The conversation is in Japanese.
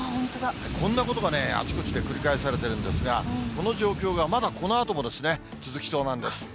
こんなことがね、あちこちで繰り返されてるんですが、この状況がまだこのあとも続きそうなんです。